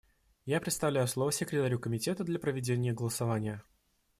Я предоставляю слово секретарю Комитета для проведения голосования.